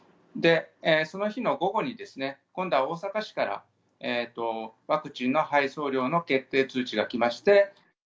その日の午後に、今度は大阪市から、ワクチンの配送量の決定通知が来まして。